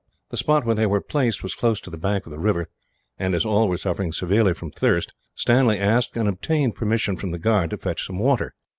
The spot where they were placed was close to the bank of the river and, as all were suffering severely from thirst, Stanley asked and obtained permission from the guard to fetch some water.